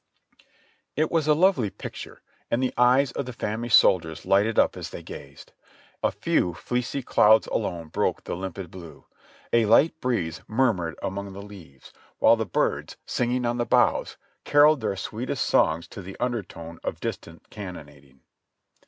It was a lovely picture and the eyes of the famished soldiers lighted up as they gazed. A few fleecy clouds alone broke the limpid blue ; a light breeze murmured among the leaves, while the birds, singing on the boughs, carolled their sweetest songs to the undertone of distant cannonading.